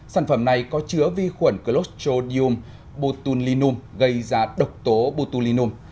sản phẩm này có chứa vi khuẩn clostridium botulinum gây ra độc tố botulinum